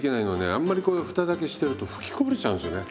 あんまりこう蓋だけしてると吹きこぼれちゃうんですよね